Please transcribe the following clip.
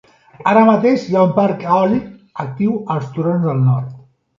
Ara mateix hi ha un parc eòlic actiu als turons del nord.